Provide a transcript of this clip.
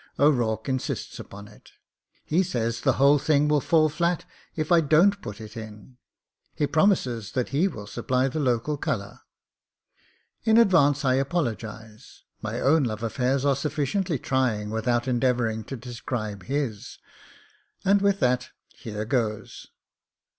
O'Rourke insists upon it: he says the whole thing will fall flat if I don't put it in; he promises that he will supply the local colour. In advance I apologise : my own love affairs are suffi ciently trying without endeavouring to describe his — and with that, here goes.